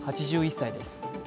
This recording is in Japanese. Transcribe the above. ８３歳です。